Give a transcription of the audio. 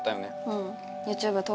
うん。